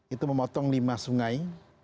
itu memotong lima sungai